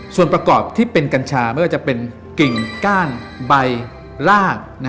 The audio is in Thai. ส่วนประกอบที่เป็นกัญชาไม่ว่าจะเป็นกิ่งก้านใบลาก